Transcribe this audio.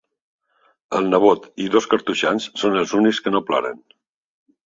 El nebot i els dos cartoixans són els únics que no ploren.